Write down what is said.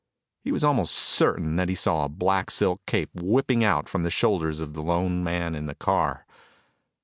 He was almost certain that he saw a black silk cape whipping out from the shoulders of the lone man in the car.